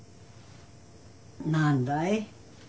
何だい？